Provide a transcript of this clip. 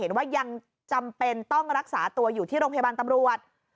ว่ายังจำเป็นต้องรักษาตัวอยู่ที่โรงพยาบาลตำรวจ